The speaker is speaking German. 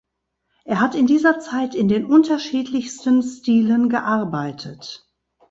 Er hat in dieser Zeit in den unterschiedlichsten Stilen gearbeitet.